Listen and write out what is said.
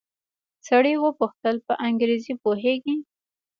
سړي وپوښتل په انګريزي پوهېږې.